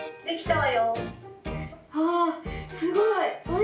「わすごい。